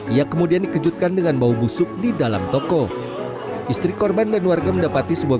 ia kemudian dikejutkan dengan bau busuk di dalam toko istri korban dan warga mendapati sebuah